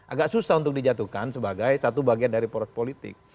agak susah untuk dijatuhkan sebagai satu bagian dari poros politik